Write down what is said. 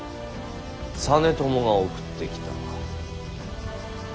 実朝が送ってきた。